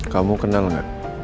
kamu kenal gak